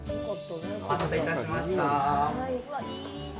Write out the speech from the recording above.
お待たせいたしました。